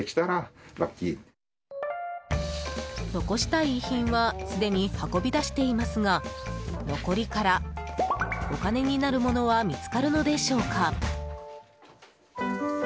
残したい遺品はすでに運び出していますが残りから、お金になるものは見つかるのでしょうか？